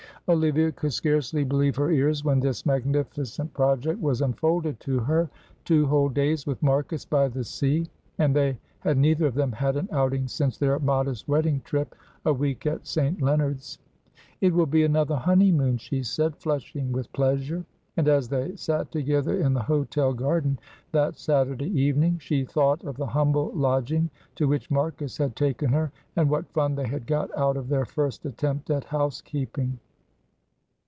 Olivia could scarcely believe her ears when this magnificent project was unfolded to her. Two whole days with Marcus by the sea! And they had neither of them had an outing since their modest wedding trip, a week at St. Leonards. "It will be another honeymoon," she said, flushing with pleasure. And as they sat together in the hotel garden that Saturday evening, she thought of the humble lodging to which Marcus had taken her, and what fun they had got out of their first attempt at housekeeping.